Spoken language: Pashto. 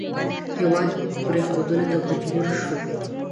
هېواد پرېښودلو ته مجبور شو.